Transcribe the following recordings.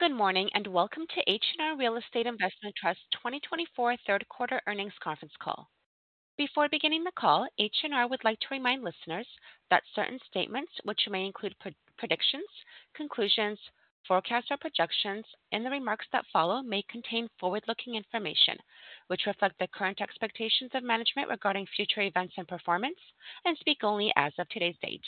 Good morning and welcome to H&R Real Estate Investment Trust 2024 Third Quarter Earnings Conference Call. Before beginning the call, H&R would like to remind listeners that certain statements, which may include predictions, conclusions, forecasts, or projections in the remarks that follow, may contain forward-looking information which reflect the current expectations of management regarding future events and performance, and speak only as of today's date.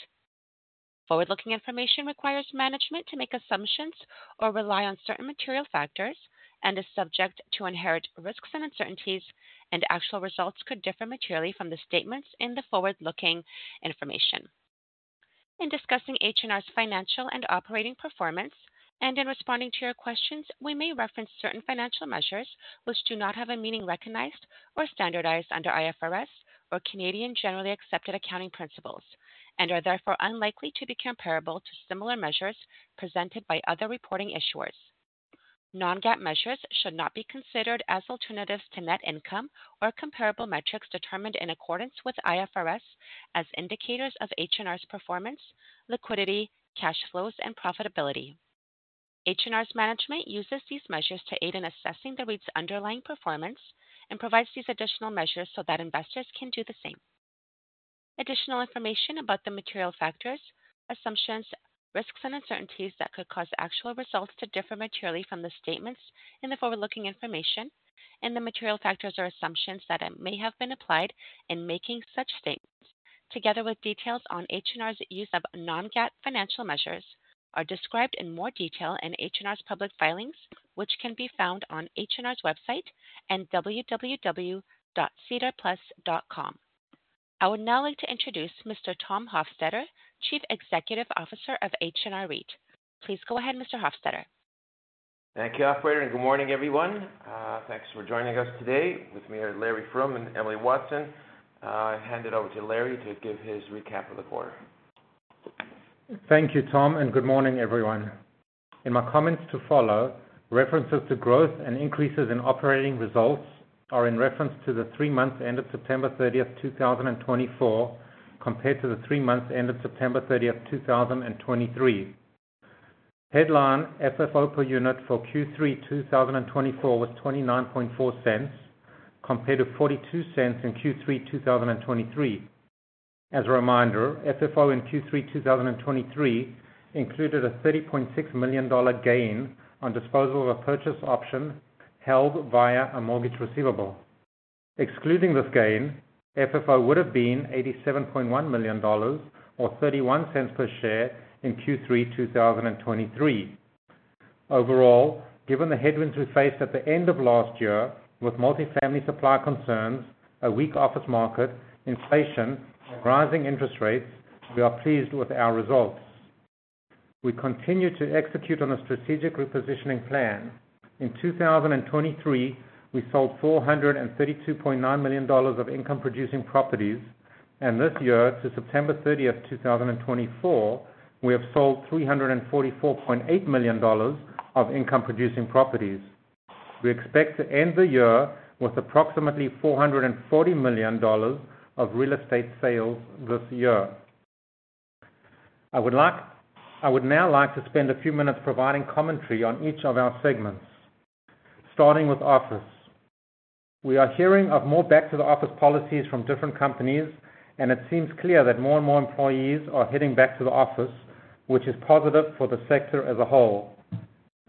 Forward-looking information requires management to make assumptions or rely on certain material factors and is subject to inherent risks and uncertainties, and actual results could differ materially from the statements in the forward-looking information. In discussing H&R's financial and operating performance and in responding to your questions, we may reference certain financial measures which do not have a meaning recognized or standardized under IFRS or Canadian Generally Accepted Accounting Principles and are therefore unlikely to be comparable to similar measures presented by other reporting issuers. Non-GAAP measures should not be considered as alternatives to net income or comparable metrics determined in accordance with IFRS as indicators of H&R's performance, liquidity, cash flows, and profitability. H&R's management uses these measures to aid in assessing the REIT's underlying performance and provides these additional measures so that investors can do the same. Additional information about the material factors, assumptions, risks, and uncertainties that could cause actual results to differ materially from the statements in the forward-looking information and the material factors or assumptions that may have been applied in making such statements, together with details on H&R's use of non-GAAP financial measures, are described in more detail in H&R's public filings, which can be found on H&R's website and www.sedarplus.com. I would now like to introduce Mr. Tom Hofstedter, Chief Executive Officer of H&R REIT. Please go ahead, Mr. Hofstedter. Thank you, Operator, and good morning, everyone. Thanks for joining us today. With me are Larry Froom and Emily Watson. I hand it over to Larry to give his recap of the quarter. Thank you, Tom, and good morning, everyone. In my comments to follow, references to growth and increases in operating results are in reference to the three months ended September 30, 2024, compared to the three months ended September 30, 2023. Headline FFO per unit for Q3 2024 was $0.2940, compared to $0.420 in Q3 2023. As a reminder, FFO in Q3 2023 included a $30.6 million gain on disposal of a purchase option held via a mortgage receivable. Excluding this gain, FFO would have been $87.1 million or $0.310 per share in Q3 2023. Overall, given the headwinds we faced at the end of last year with multifamily supply concerns, a weak office market, inflation, and rising interest rates, we are pleased with our results. We continue to execute on a strategic repositioning plan. In 2023, we sold CAD 432.9 million of income-producing properties, and this year, to September 30, 2024, we have sold 344.8 million dollars of income-producing properties. We expect to end the year with approximately 440 million dollars of real estate sales this year. I would now like to spend a few minutes providing commentary on each of our segments, starting with office. We are hearing of more back-to-the-office policies from different companies, and it seems clear that more and more employees are heading back to the office, which is positive for the sector as a whole.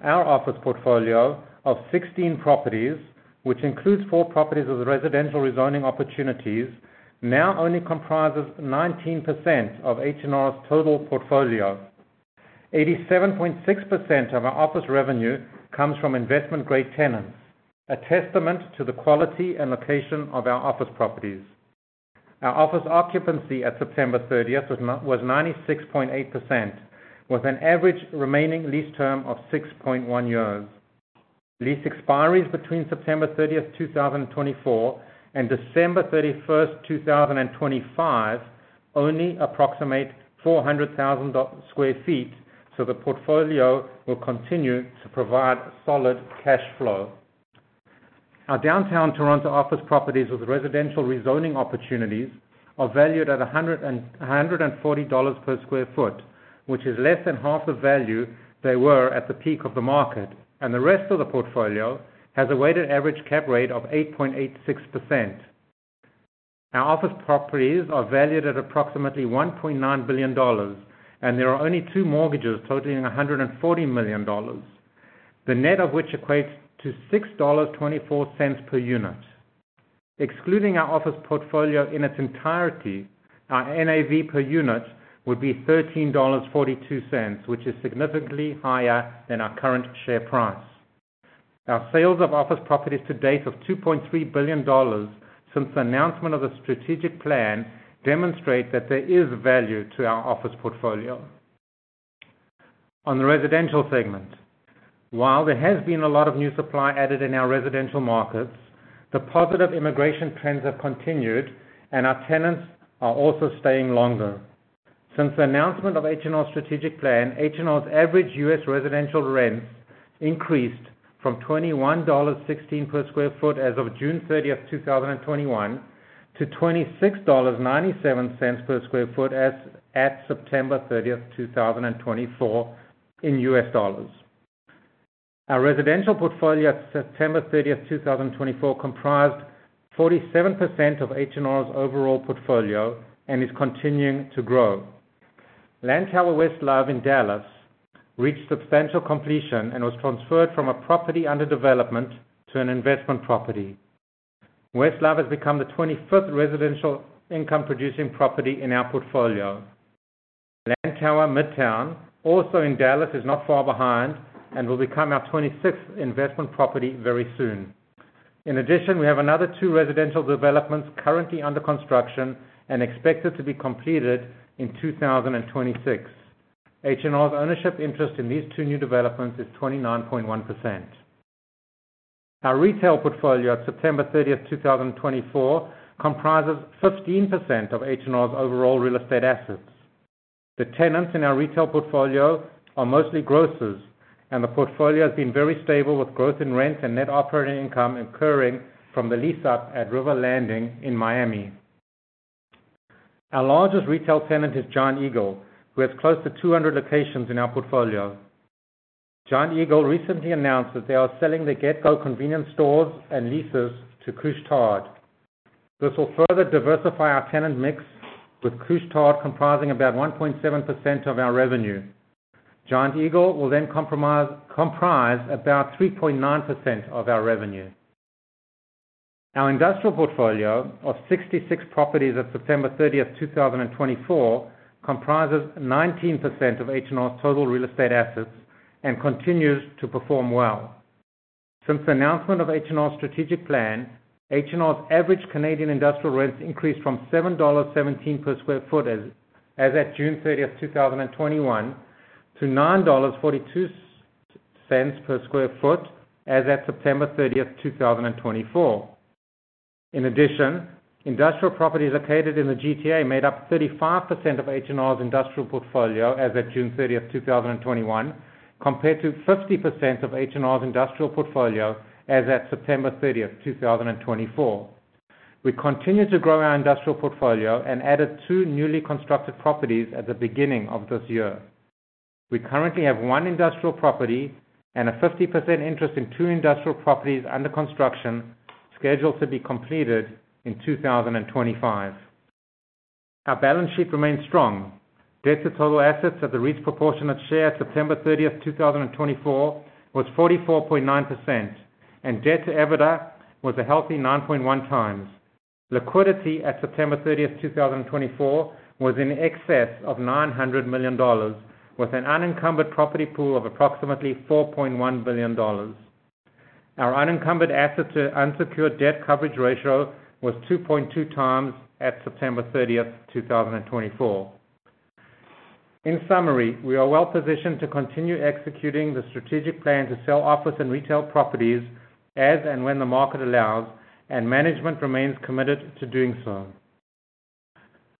Our office portfolio of 16 properties, which includes four properties with residential rezoning opportunities, now only comprises 19% of H&R's total portfolio. 87.6% of our office revenue comes from investment-grade tenants, a testament to the quality and location of our office properties. Our office occupancy at September 30 was 96.8%, with an average remaining lease term of 6.1. Lease expiries between September 30, 2024, and December 31, 2025, only approximate 400,000 sq ft, so the portfolio will continue to provide solid cash flow. Our downtown Toronto office properties with residential rezoning opportunities are valued at 140 dollars per sq ft, which is less than half the value they were at the peak of the market, and the rest of the portfolio has a weighted average cap rate of 8.86%. Our office properties are valued at approximately 1.9 billion dollars, and there are only two mortgages totaling 140 million dollars, the net of which equates to 6.24 dollars per unit. Excluding our office portfolio in its entirety, our NAV per unit would be 13.42 dollars, which is significantly higher than our current share price. Our sales of office properties to date of 2.3 billion dollars since the announcement of the strategic plan demonstrate that there is value to our office portfolio. On the residential segment, while there has been a lot of new supply added in our residential markets, the positive immigration trends have continued, and our tenants are also staying longer. Since the announcement of H&R's strategic plan, H&R's average US residential rents increased from $21.16 per sq ft as of June 30, 2021, to $26.97 per sq ft at September 30, 2024, in US dollars. Our residential portfolio at September 30, 2024, comprised 47% of H&R's overall portfolio and is continuing to grow. Lantower West Love in Dallas reached substantial completion and was transferred from a property under development to an investment property. West Love has become the 25th residential income-producing property in our portfolio. Lantower Midtown, also in Dallas, is not far behind and will become our 26th investment property very soon. In addition, we have another two residential developments currently under construction and expected to be completed in 2026. H&R's ownership interest in these two new developments is 29.1%. Our retail portfolio at September 30, 2024, comprises 15% of H&R's overall real estate assets. The tenants in our retail portfolio are mostly grocers, and the portfolio has been very stable with growth in rents and net operating income occurring from the lease-up at River Landing in Miami. Our largest retail tenant is Giant Eagle, who has close to 200 locations in our portfolio. Giant Eagle recently announced that they are selling their GetGo convenience stores and leases to Couche-Tard. This will further diversify our tenant mix, with Couche-Tard comprising about 1.7% of our revenue. Giant Eagle will then comprise about 3.9% of our revenue. Our industrial portfolio of 66 properties at September 30, 2024, comprises 19% of H&R's total real estate assets and continues to perform well. Since the announcement of H&R's strategic plan, H&R's average Canadian industrial rents increased from $7.17 per sq ft as at June 30, 2021, to $9.42 per sq ft as at September 30, 2024. In addition, industrial properties located in the GTA made up 35% of H&R's industrial portfolio as at June 30, 2021, compared to 50% of H&R's industrial portfolio as at September 30, 2024. We continue to grow our industrial portfolio and added two newly constructed properties at the beginning of this year. We currently have one industrial property and a 50% interest in two industrial properties under construction scheduled to be completed in 2025. Our balance sheet remains strong. Debt to total assets at the REIT's proportionate share at September 30, 2024, was 44.9%, and debt to EBITDA was a healthy 9.1 times. Liquidity at September 30, 2024, was in excess of 900 million dollars, with an unencumbered property pool of approximately 4.1 billion dollars. Our unencumbered asset to unsecured debt coverage ratio was 2.2 times at September 30, 2024. In summary, we are well positioned to continue executing the strategic plan to sell office and retail properties as and when the market allows, and management remains committed to doing so.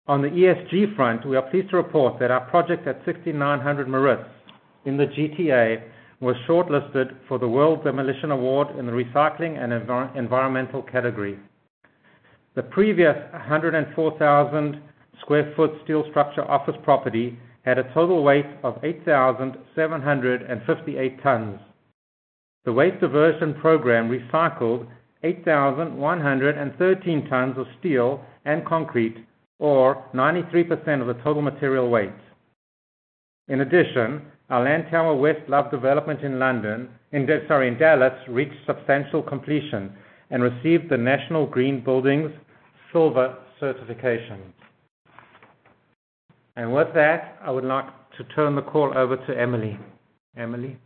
On the ESG front, we are pleased to report that our project at 6900 Maritz Drive in the GTA was shortlisted for the World Demolition Award in the Recycling and Environmental category. The previous 104,000 sq ft steel structure office property had a total weight of 8,758 tons. The waste diversion program recycled 8,113 tons of steel and concrete, or 93% of the total material weight. In addition, our Lantower West Love development in Dallas reached substantial completion and received the National Green Building Silver certification. And with that, I would like to turn the call over to Emily. Emily.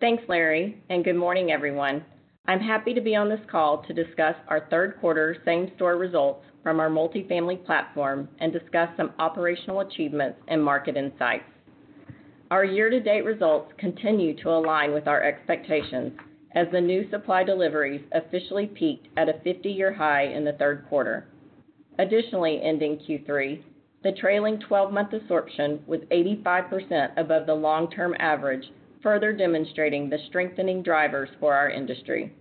Thanks, Larry, and good morning, everyone. I'm happy to be on this call to discuss our third quarter same-store results from our multifamily platform and discuss some operational achievements and market insights. Our year-to-date results continue to align with our expectations as the new supply deliveries officially peaked at a 50-year high in the third quarter. Additionally, ending Q3, the trailing 12-month absorption was 85% above the long-term average, further demonstrating the strengthening drivers for our industry.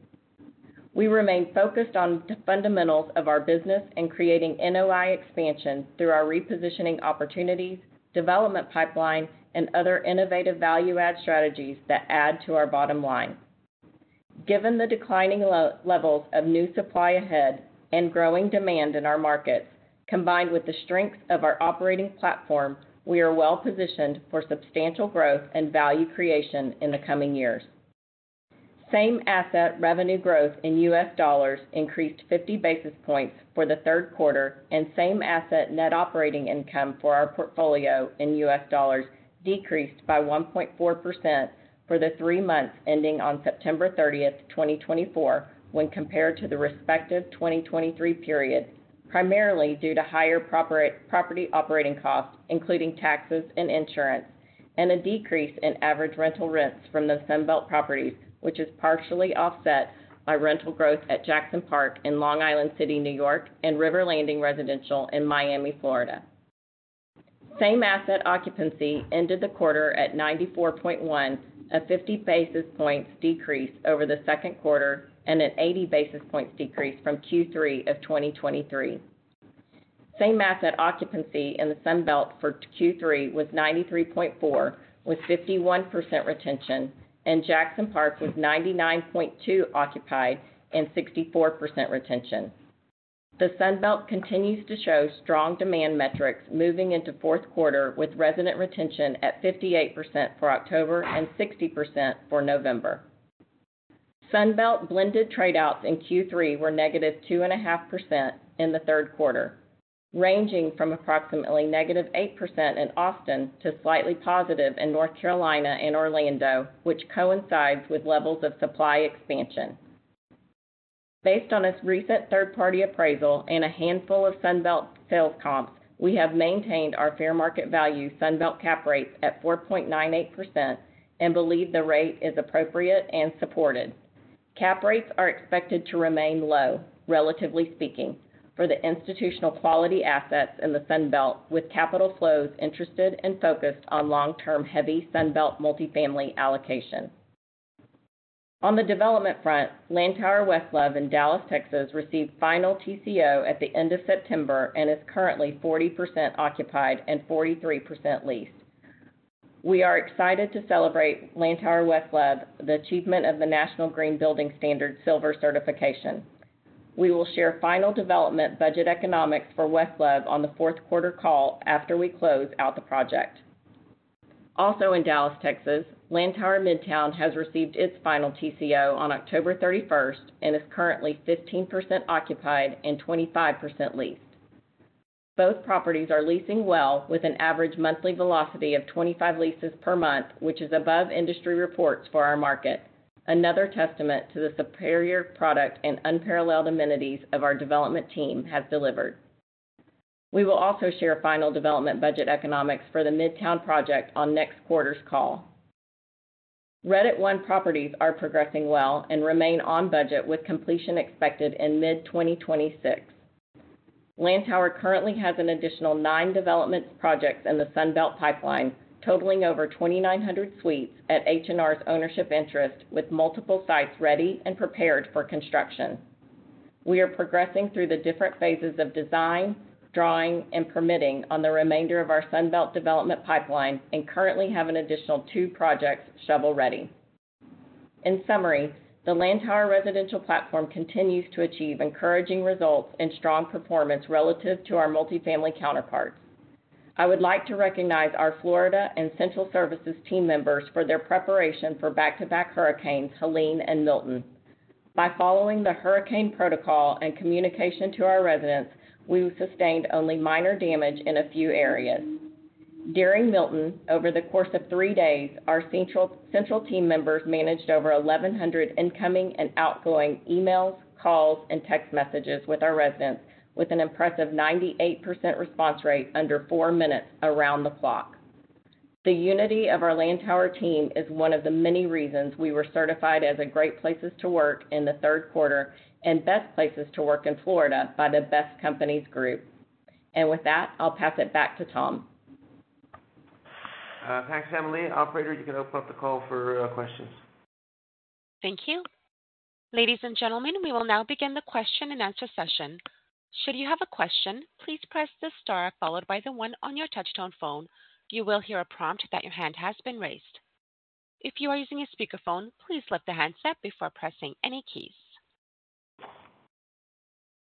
We remain focused on the fundamentals of our business and creating NOI expansion through our repositioning opportunities, development pipeline, and other innovative value-add strategies that add to our bottom line. Given the declining levels of new supply ahead and growing demand in our markets, combined with the strengths of our operating platform, we are well positioned for substantial growth and value creation in the coming years. Same-asset revenue growth in US dollars increased 50 basis points for the third quarter, and same-asset net operating income for our portfolio in US dollars decreased by 1.4% for the three months ending on September 30, 2024, when compared to the respective 2023 period, primarily due to higher property operating costs, including taxes and insurance, and a decrease in average rental rents from the Sunbelt properties, which is partially offset by rental growth at Jackson Park in Long Island City, New York, and River Landing Residential in Miami, Florida. Same-asset occupancy ended the quarter at 94.1, a 50 basis points decrease over the second quarter, and an 80 basis points decrease from Q3 of 2023. Same-asset occupancy in the Sunbelt for Q3 was 93.4, with 51% retention, and Jackson Park was 99.2 occupied and 64% retention. The Sunbelt continues to show strong demand metrics moving into fourth quarter, with resident retention at 58% for October and 60% for November. Sunbelt blended tradeouts in Q3 were negative 2.5% in the third quarter, ranging from approximately negative 8% in Austin to slightly positive in North Carolina and Orlando, which coincides with levels of supply expansion. Based on its recent third-party appraisal and a handful of Sunbelt sales comps, we have maintained our fair market value Sunbelt cap rates at 4.98% and believe the rate is appropriate and supported. Cap rates are expected to remain low, relatively speaking, for the institutional quality assets in the Sunbelt, with capital flows interested and focused on long-term heavy Sunbelt multifamily allocation. On the development front, Lantower West Love in Dallas, Texas, received final TCO at the end of September and is currently 40% occupied and 43% leased. We are excited to celebrate Lantower West Love, the achievement of the National Green Building Standard Silver certification. We will share final development budget economics for West Love on the fourth quarter call after we close out the project. Also in Dallas, Texas, Lantower Midtown has received its final TCO on October 31 and is currently 15% occupied and 25% leased. Both properties are leasing well, with an average monthly velocity of 25 leases per month, which is above industry reports for our market, another testament to the superior product and unparalleled amenities our development team has delivered. We will also share final development budget economics for the Midtown project on next quarter's call. Remaining properties are progressing well and remain on budget, with completion expected in mid-2026. Lantower currently has an additional nine development projects in the Sunbelt pipeline, totaling over 2,900 suites at H&R's ownership interest, with multiple sites ready and prepared for construction. We are progressing through the different phases of design, drawing, and permitting on the remainder of our Sunbelt development pipeline and currently have an additional two projects shovel ready. In summary, the Lantower residential platform continues to achieve encouraging results and strong performance relative to our multifamily counterparts. I would like to recognize our Florida and Central Services team members for their preparation for back-to-back hurricanes Helene and Milton. By following the hurricane protocol and communication to our residents, we sustained only minor damage in a few areas. During Milton, over the course of three days, our central team members managed over 1,100 incoming and outgoing emails, calls, and text messages with our residents, with an impressive 98% response rate under four minutes around the clock. The unity of our Lantower team is one of the many reasons we were certified as a great place to work in the third quarter and best places to work in Florida by the Best Companies Group. And with that, I'll pass it back to Tom. Thanks, Emily. Operator, you can open up the call for questions. Thank you. Ladies and gentlemen, we will now begin the question and answer session. Should you have a question, please press the star followed by the one on your touchtone phone. You will hear a prompt that your hand has been raised. If you are using a speakerphone, please lift the handset before pressing any keys.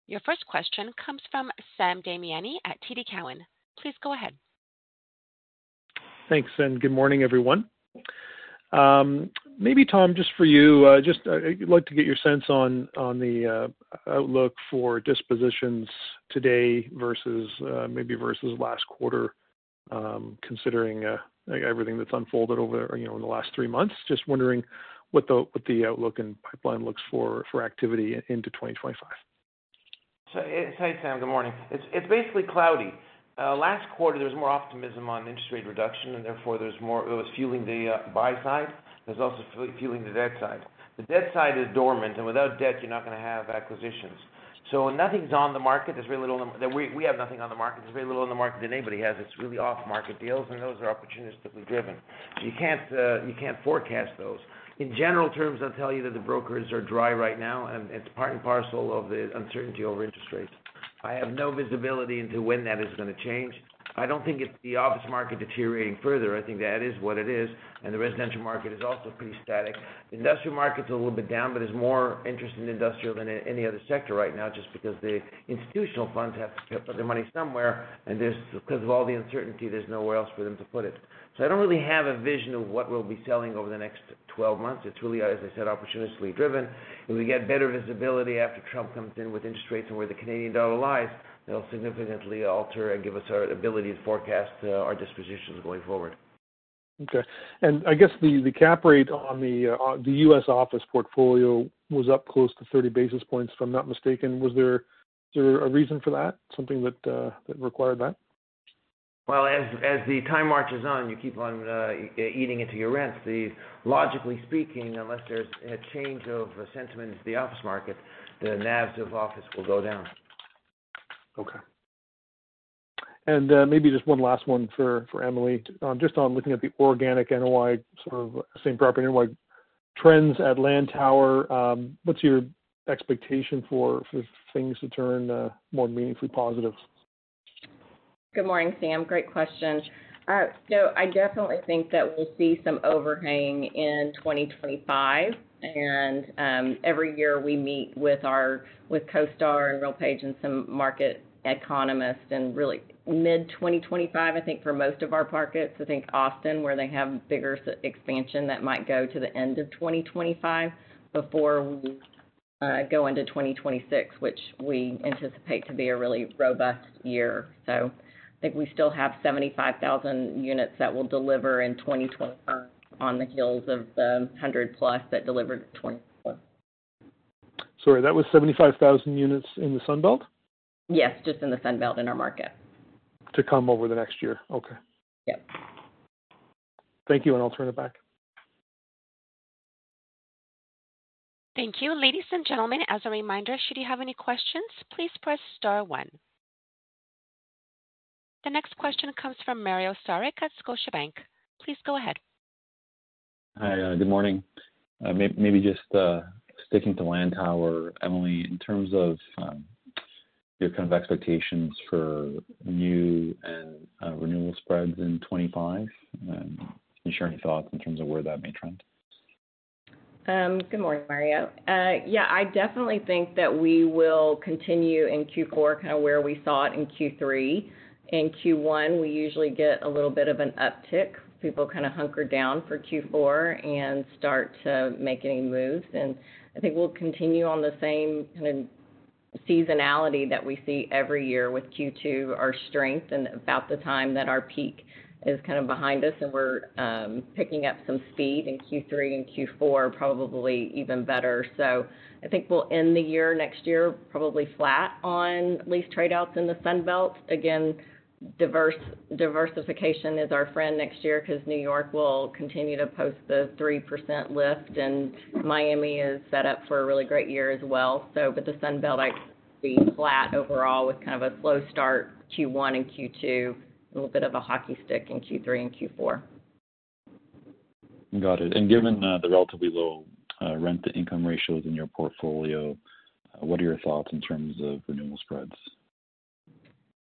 Your first question comes from Sam Damiani at TD Cowen. Please go ahead. Thanks, and good morning, everyone. Maybe, Tom, just for you, I'd like to get your sense on the outlook for dispositions today versus maybe last quarter, considering everything that's unfolded over the last three months. Just wondering what the outlook and pipeline looks for activity into 2025. So, hey, Sam. Good morning. It's basically cloudy. Last quarter, there was more optimism on interest rate reduction, and therefore there was more fueling the buy side. There's also fueling the debt side. The debt side is dormant, and without debt, you're not going to have acquisitions. So nothing's on the market. There's very little on the market. We have nothing on the market. There's very little on the market that anybody has. It's really off-market deals, and those are opportunistically driven. So you can't forecast those. In general terms, I'll tell you that the brokers are dry right now, and it's part and parcel of the uncertainty over interest rates. I have no visibility into when that is going to change. I don't think it's the office market deteriorating further. I think that is what it is, and the residential market is also pretty static. The industrial market's a little bit down, but there's more interest in the industrial than any other sector right now, just because the institutional funds have to put their money somewhere, and because of all the uncertainty, there's nowhere else for them to put it. I don't really have a vision of what we'll be selling over the next 12 months. It's really, as I said, opportunistically driven. If we get better visibility after Trump comes in with interest rates and where the Canadian dollar lies, that'll significantly alter and give us our ability to forecast our dispositions going forward. Okay. And I guess the Cap Rate on the U.S. office portfolio was up close to 30 basis points, if I'm not mistaken. Was there a reason for that, something that required that? As the time marches on, you keep on eating into your rents. Logically speaking, unless there's a change of sentiment in the office market, the NAVs of office will go down. Okay, and maybe just one last one for Emily. Just on looking at the organic NOI, sort of same property NOI trends at Lantower, what's your expectation for things to turn more meaningfully positive? Good morning, Sam. Great question. So I definitely think that we'll see some overhang in 2025. And every year we meet with our CoStar and RealPage and some market economists, and really mid-2025, I think, for most of our markets. I think Austin, where they have bigger expansion, that might go to the end of 2025 before we go into 2026, which we anticipate to be a really robust year. So I think we still have 75,000 units that will deliver in 2025 on the heels of the 100-plus that delivered in 2024. Sorry, that was 75,000 units in the Sunbelt? Yes, just in the Sunbelt in our market. To come over the next year. Okay. Yep. Thank you, and I'll turn it back. Thank you. Ladies and gentlemen, as a reminder, should you have any questions, please press star one. The next question comes from Mario Saric at Scotiabank. Please go ahead. Hi, good morning. Maybe just sticking to Lantower, Emily, in terms of your kind of expectations for new and renewal spreads in 2025, and share any thoughts in terms of where that may trend? Good morning, Mario. Yeah, I definitely think that we will continue in Q4 kind of where we saw it in Q3. In Q1, we usually get a little bit of an uptick. People kind of hunker down for Q4 and start to make any moves, and I think we'll continue on the same kind of seasonality that we see every year with Q2, our strength, and about the time that our peak is kind of behind us, and we're picking up some speed in Q3 and Q4, probably even better, so I think we'll end the year next year probably flat on lease tradeouts in the Sunbelt. Again, diversification is our friend next year because New York will continue to post the 3% lift, and Miami is set up for a really great year as well. So with the Sunbelt, I'd say flat overall with kind of a slow start Q1 and Q2, a little bit of a hockey stick in Q3 and Q4. Got it. And given the relatively low rent-to-income ratios in your portfolio, what are your thoughts in terms of renewal spreads?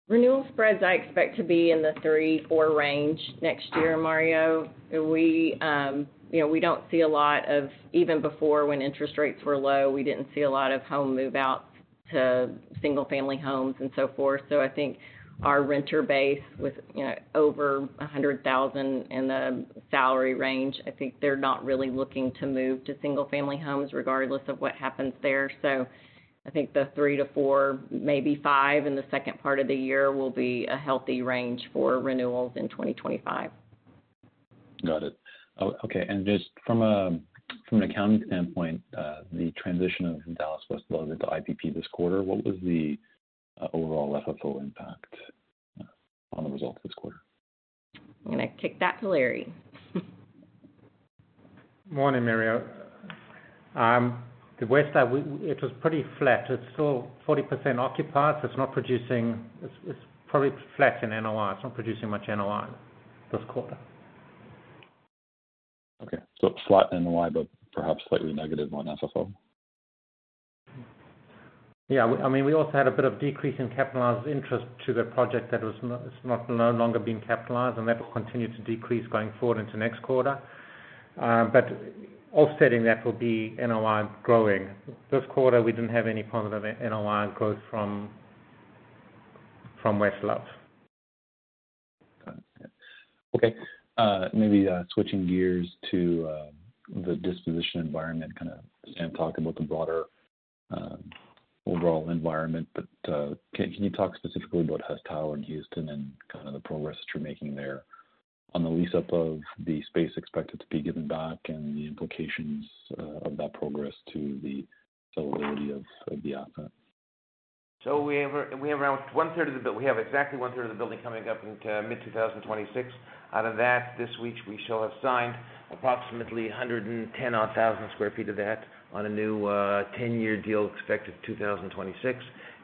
Renewal spreads, I expect to be in the three-four range next year, Mario. We don't see a lot of, even before when interest rates were low, we didn't see a lot of home move-outs to single-family homes and so forth. So I think our renter base with over 100,000 in the salary range, I think they're not really looking to move to single-family homes regardless of what happens there. So I think the three-to-four, maybe five in the second part of the year will be a healthy range for renewals in 2025. Got it. Okay. And just from an accounting standpoint, the transition of Dallas West Love into IPP this quarter, what was the overall FFO impact on the results this quarter? I'm going to kick that to Larry. Morning, Mario. The West, it was pretty flat. It's still 40% occupied. It's not producing. It's probably flat in NOI. It's not producing much NOI this quarter. Okay, so flat NOI, but perhaps slightly negative on FFO. Yeah. I mean, we also had a bit of decrease in capitalized interest to the project that is no longer being capitalized, and that will continue to decrease going forward into next quarter. But offsetting that will be NOI growing. This quarter, we didn't have any positive NOI growth from West Love. Got it. Okay. Maybe switching gears to the disposition environment, kind of talk about the broader overall environment. But can you talk specifically about Hess Tower in Houston and kind of the progress that you're making there on the lease-up of the space expected to be given back and the implications of that progress to the sellability of the asset? We have exactly one-third of the building coming up into mid-2026. Out of that, this week, we shall have signed approximately 110,000 sq ft of that on a new 10-year deal expected in 2026.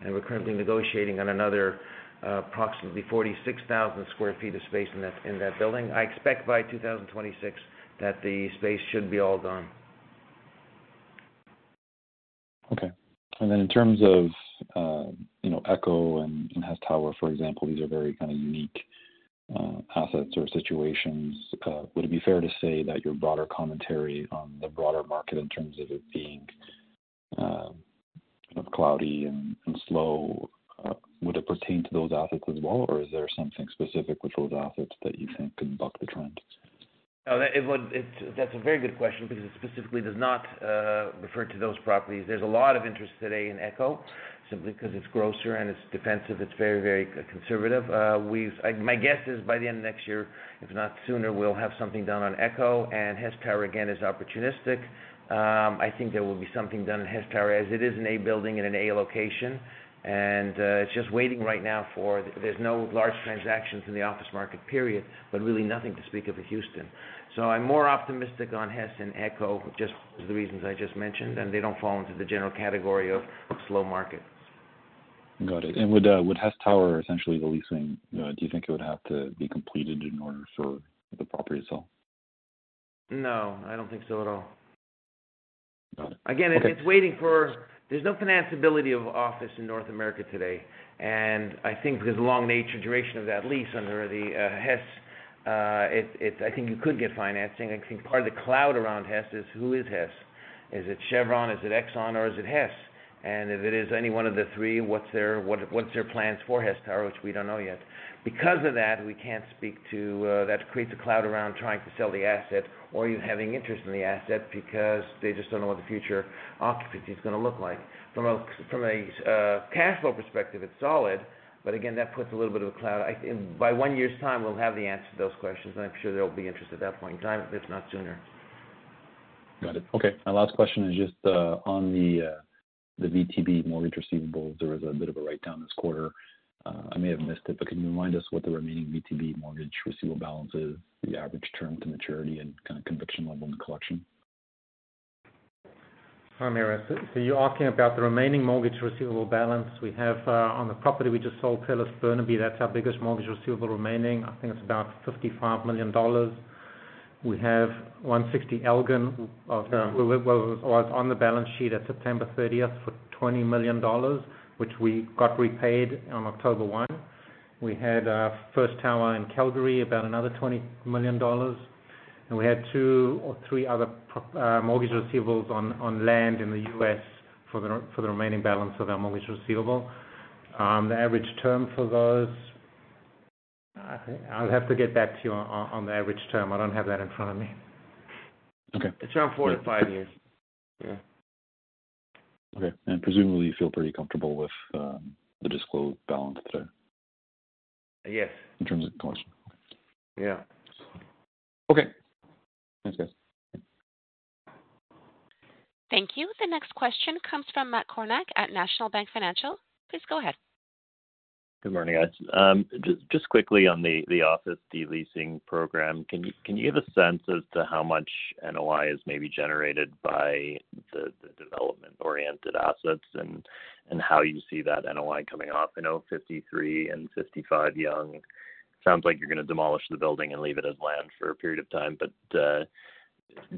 We're currently negotiating on another approximately 46,000 sq ft of space in that building. I expect by 2026 that the space should be all gone. Okay. And then in terms of Echo and Hess Tower, for example, these are very kind of unique assets or situations. Would it be fair to say that your broader commentary on the broader market in terms of it being kind of cloudy and slow would pertain to those assets as well, or is there something specific with those assets that you think can buck the trend? That's a very good question because it specifically does not refer to those properties. There's a lot of interest today in Echo simply because it's grocer and it's defensive. It's very, very conservative. My guess is by the end of next year, if not sooner, we'll have something done on Echo, and Hess Tower again is opportunistic. I think there will be something done in Hess Tower as it is an A building in an A location. And it's just waiting right now for. There's no large transactions in the office market, period, but really nothing to speak of in Houston. So I'm more optimistic on Hess and Echo just for the reasons I just mentioned, and they don't fall into the general category of slow market. Got it and would Hess Tower essentially the leasing, do you think it would have to be completed in order for the property itself? No, I don't think so at all. Got it. Again, it's waiting for. There's no financeability of office in North America today, and I think because of the long nature duration of that lease under the Hess, I think you could get financing. I think part of the cloud around Hess is, who is Hess? Is it Chevron? Is it Exxon? Or is it Hess? And if it is any one of the three, what's their plans for Hess Tower, which we don't know yet? Because of that, we can't speak to that creates a cloud around trying to sell the asset or you having interest in the asset because they just don't know what the future occupancy is going to look like. From a cash flow perspective, it's solid, but again, that puts a little bit of a cloud. By one year's time, we'll have the answer to those questions, and I'm sure there will be interest at that point in time, if not sooner. Got it. Okay. My last question is just on the VTB mortgage receivables. There was a bit of a write-down this quarter. I may have missed it, but can you remind us what the remaining VTB mortgage receivable balance is, the average term to maturity, and kind of conviction level in the collection? Hi, Mary. So you're asking about the remaining mortgage receivable balance we have on the property we just sold, Pearl of Burnaby. That's our biggest mortgage receivable remaining. I think it's about 55 million dollars. We have 160 Elgin was on the balance sheet at September 30th for 20 million dollars, which we got repaid on October 1. We had First Tower in Calgary about another 20 million dollars. And we had two or three other mortgage receivables on land in the US for the remaining balance of our mortgage receivable. The average term for those, I'll have to get back to you on the average term. I don't have that in front of me. It's around four-to-five years. Yeah. Okay. And presumably, you feel pretty comfortable with the disclosed balance today? Yes. In terms of collection? Yeah. Okay. Thanks, guys. Thank you. The next question comes from Matt Kornack at National Bank Financial. Please go ahead. Good morning, guys. Just quickly on the office de-leasing program, can you give a sense as to how much NOI is maybe generated by the development-oriented assets and how you see that NOI coming off? I know 53 and 55 Yonge. Sounds like you're going to demolish the building and leave it as land for a period of time, but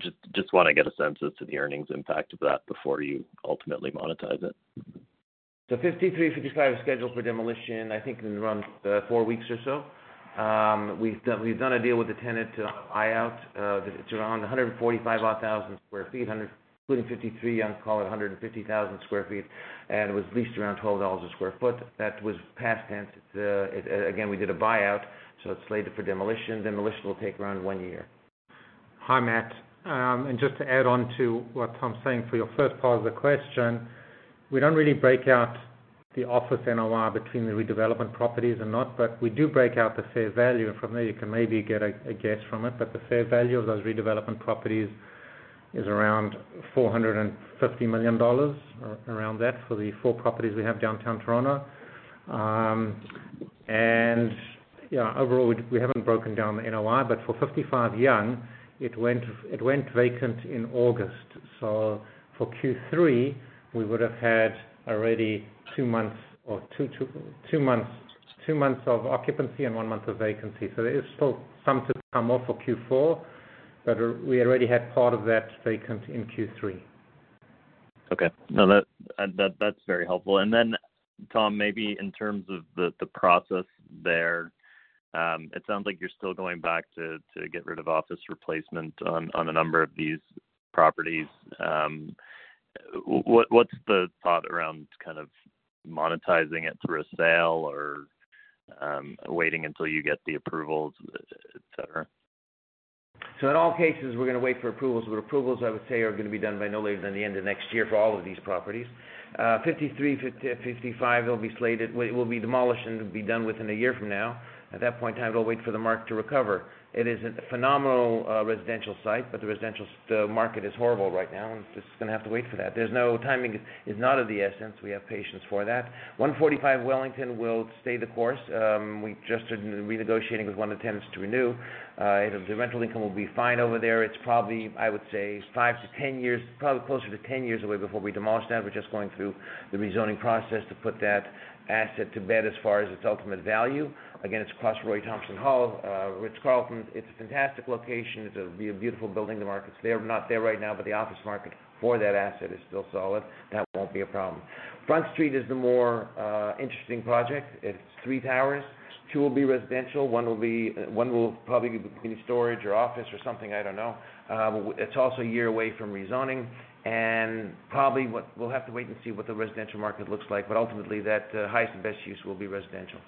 just want to get a sense as to the earnings impact of that before you ultimately monetize it. 53 and 55 is scheduled for demolition, I think, in around four weeks or so. We've done a deal with the tenant to buy out. It's around 145,000 sq ft, including 53 Yonge, call it 150,000 sq ft, and was leased around $12 a sq ft. That was past tense. Again, we did a buyout, so it's slated for demolition. Demolition will take around one year. Hi, Matt. Just to add on to what Tom's saying for your first part of the question, we don't really break out the office NOI between the redevelopment properties and not, but we do break out the fair value. From there, you can maybe get a guess from it, but the fair value of those redevelopment properties is around $450 million, around that, for the four properties we have downtown Toronto. Overall, we haven't broken down the NOI, but for 55 Yonge, it went vacant in August. So for Q3, we would have had already two months of occupancy and one month of vacancy. So there is still some to come off for Q4, but we already had part of that vacant in Q3. Okay. No, that's very helpful. And then, Tom, maybe in terms of the process there, it sounds like you're still going back to get rid of office replacement on a number of these properties. What's the thought around kind of monetizing it through a sale or waiting until you get the approvals, etc.? In all cases, we're going to wait for approvals. But approvals, I would say, are going to be done by no later than the end of next year for all of these properties. 53, 55, they'll be slated. It will be demolished and be done within a year from now. At that point in time, it'll wait for the market to recover. It is a phenomenal residential site, but the residential market is horrible right now, and it's just going to have to wait for that. There's no timing; it's not of the essence. We have patience for that. 145 Wellington will stay the course. We just are renegotiating with one of the tenants to renew. The rental income will be fine over there. It's probably, I would say, five to 10 years, probably closer to 10 years away before we demolish that. We're just going through the rezoning process to put that asset to bed as far as its ultimate value. Again, it's across Roy Thomson Hall, Ritz-Carlton. It's a fantastic location. It'll be a beautiful building. The market's there. Not there right now, but the office market for that asset is still solid. That won't be a problem. Front Street is the more interesting project. It's three towers. Two will be residential. One will probably be storage or office or something. I don't know. It's also a year away from rezoning. And probably we'll have to wait and see what the residential market looks like. But ultimately, that highest and best use will be residential.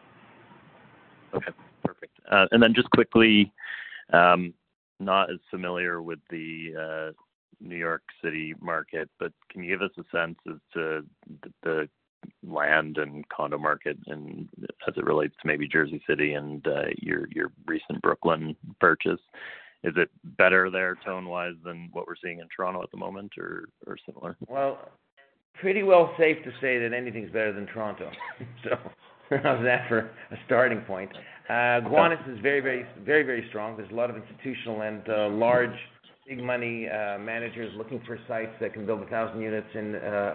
Okay. Perfect. And then just quickly, not as familiar with the New York City market, but can you give us a sense as to the land and condo market as it relates to maybe Jersey City and your recent Brooklyn purchase? Is it better there tone-wise than what we're seeing in Toronto at the moment or similar? Pretty well safe to say that anything's better than Toronto. We're on that for a starting point. Gowanus is very, very strong. There's a lot of institutional and large big-money managers looking for sites that can build 1,000 units in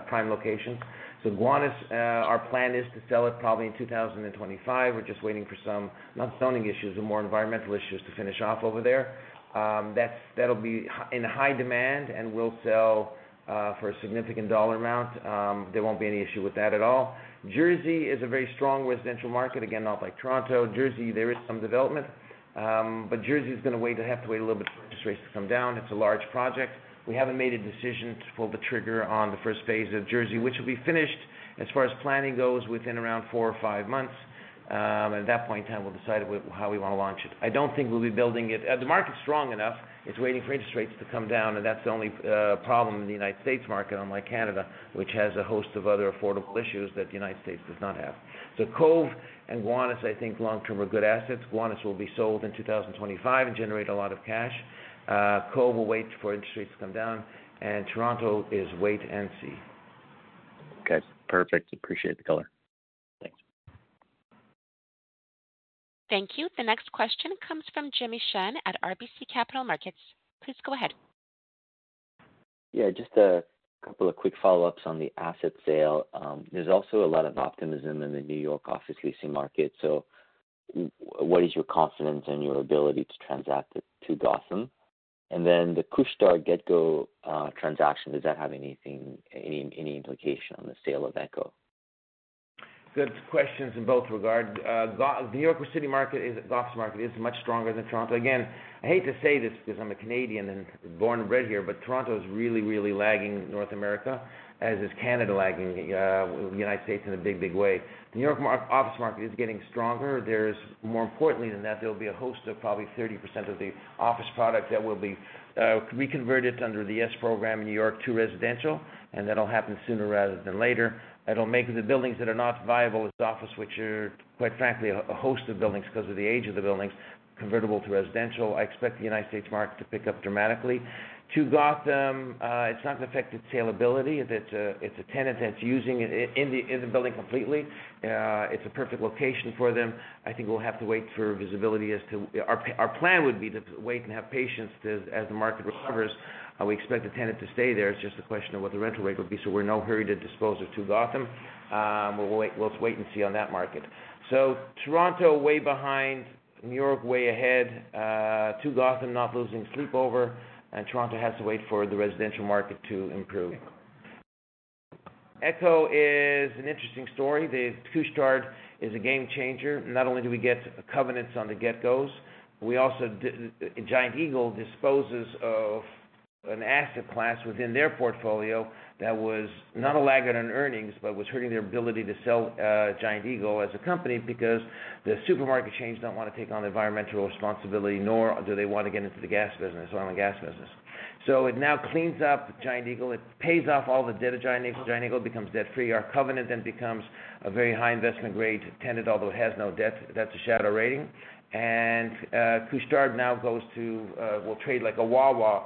prime locations. Gowanus, our plan is to sell it probably in 2025. We're just waiting for some not zoning issues, but more environmental issues to finish off over there. That'll be in high demand, and we'll sell for a significant dollar amount. There won't be any issue with that at all. Jersey is a very strong residential market. Again, not like Toronto. Jersey, there is some development, but Jersey is going to have to wait a little bit for interest rates to come down. It's a large project. We haven't made a decision to pull the trigger on the first phase of Jersey, which will be finished as far as planning goes within around four or five months. At that point in time, we'll decide how we want to launch it. I don't think we'll be building it. The market's strong enough. It's waiting for interest rates to come down, and that's the only problem in the United States market, unlike Canada, which has a host of other affordable issues that the United States does not have. So Cove and Gowanus, I think, long-term are good assets. Gowanus will be sold in 2025 and generate a lot of cash. Cove will wait for interest rates to come down. And Toronto is wait and see. Okay. Perfect. Appreciate the color. Thanks. Thank you. The next question comes from Jimmy Shan at RBC Capital Markets. Please go ahead. Yeah. Just a couple of quick follow-ups on the asset sale. There's also a lot of optimism in the New York office leasing market. So what is your confidence in your ability to transact Two Gotham? And then the Couche-Tard GetGo transaction, does that have any implication on the sale of Echo? Good questions in both regards. The New York City market, Gotham market is much stronger than Toronto. Again, I hate to say this because I'm a Canadian and born and bred here, but Toronto is really, really lagging North America, as is Canada lagging the United States in a big, big way. The New York office market is getting stronger. More importantly than that, there'll be a host of probably 30% of the office product that will be reconverted under the YES program in New York to residential, and that'll happen sooner rather than later. That'll make the buildings that are not viable as office, which are quite frankly a host of buildings because of the age of the buildings, convertible to residential. I expect the United States market to pick up dramatically. Two Gotham, it's not going to affect its saleability. It's a tenant that's using it in the building completely. It's a perfect location for them. I think we'll have to wait for visibility as to our plan would be to wait and have patience as the market recovers. We expect the tenant to stay there. It's just a question of what the rental rate will be. So we're in no hurry to dispose of Two Gotham. We'll just wait and see on that market. So Toronto way behind, New York way ahead, Two Gotham not losing sleep over, and Toronto has to wait for the residential market to improve. Echo is an interesting story. The Couche-Tard is a game changer. Not only do we get covenants on the GetGos, we also, Giant Eagle disposes of an asset class within their portfolio that was not a laggard in earnings, but was hurting their ability to sell Giant Eagle as a company because the supermarket chains don't want to take on the environmental responsibility, nor do they want to get into the gas business, oil and gas business, so it now cleans up Giant Eagle. It pays off all the debt of Giant Eagle. Giant Eagle becomes debt-free. Our covenant then becomes a very high investment-grade tenant, although it has no debt. That's a shadow rating, and Couche-Tard now goes to will trade like a Wawa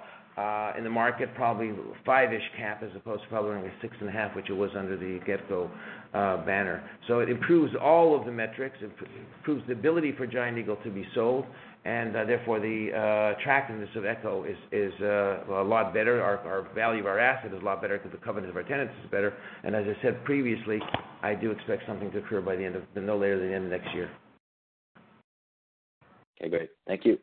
in the market, probably five-ish cap as opposed to probably six and a half, which it was under the GetGo banner, so it improves all of the metrics. It improves the ability for Giant Eagle to be sold, and therefore the attractiveness of Echo is a lot better. Our value of our asset is a lot better because the covenant of our tenants is better. And as I said previously, I do expect something to occur by the end of no later than the end of next year. Okay. Great. Thank you.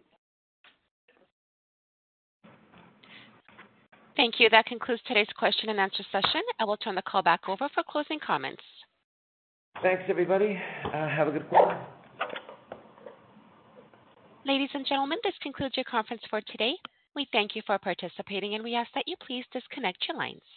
Thank you. That concludes today's question and answer session. I will turn the call back over for closing comments. Thanks, everybody. Have a good quarter. Ladies and gentlemen, this concludes your conference for today. We thank you for participating, and we ask that you please disconnect your lines.